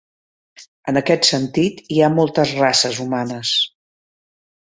En aquest sentit, hi ha moltes "races humanes".